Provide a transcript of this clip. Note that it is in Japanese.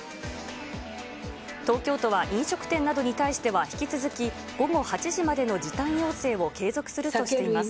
東京都は飲食店などに対しては、引き続き午後８時までの時短要請を継続するとしています。